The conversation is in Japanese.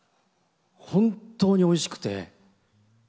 本当においしくて。